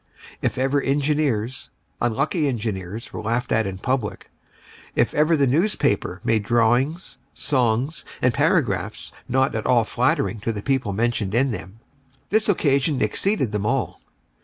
If ever engineers, unlucky engineers were laughed at in public, if ever the newspaper made drawings, songs, and paragraphs not at all flattering to the people mentioned in them, this occasion exceeded them all.